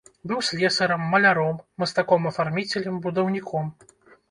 Быў слесарам, маляром, мастаком-афарміцелем, будаўніком.